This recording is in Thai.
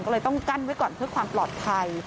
ก็เลยต้องกั้นไว้ก่อนเพื่อความปลอดภัย